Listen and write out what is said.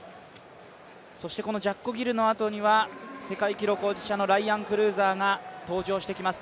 ジャッコ・ギルのあとには世界記録保持者のライアン・クルーザーが登場してきます。